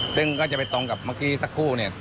ซึ่งก็จะไปตรงกับเมื่อกี้สักครู่เนี่ย